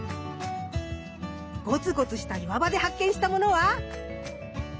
ゴツゴツした岩場で発見したものは？